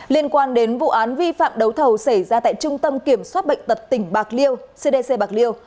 liên quan đến vụ án vi phạm đấu thầu xảy ra tại trung tâm kiểm soát bệnh tật tỉnh bạc liêu cdc bạc liêu